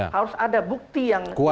harus ada bukti yang